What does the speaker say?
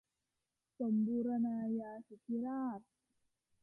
สมบูรณาญาสิทธิราช